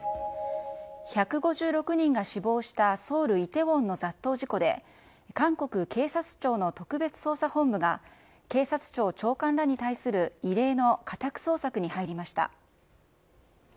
１５６人が死亡したソウル・イテウォンの雑踏事故で、韓国警察庁の特別捜査本部が、警察庁長官らに対する異例の家宅捜索に入りました。